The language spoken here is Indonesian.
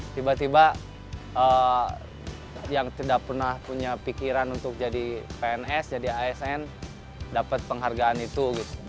tiba tiba yang tidak pernah punya pikiran untuk jadi pns jadi asn dapat penghargaan itu